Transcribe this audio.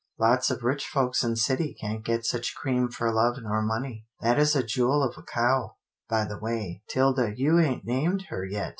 Lots of rich folks in cities can't get such cream for love nor money. That is a jewel of a cow — by the way, 'Tilda, you ain't named her yet.